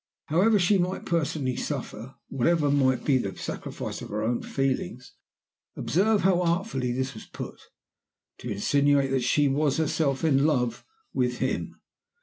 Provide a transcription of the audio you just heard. However she might personally suffer, whatever might be the sacrifice of her own feelings observe how artfully this was put, to insinuate that she was herself in love with him!